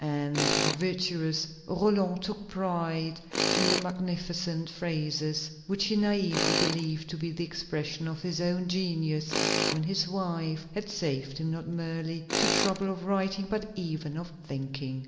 And the "virtuous" Roland took pride in the magnificent phrases which he naïvely believed to be the expression of his own genius, when his wife had saved him not merely the trouble of writing, but even of thinking.